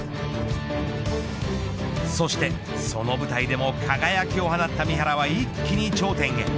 そして、その舞台でも輝きを放った三原は一気に頂点へ。